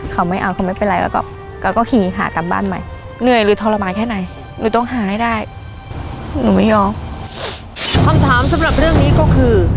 คำถามสำหรับเรื่องนี้ก็คือ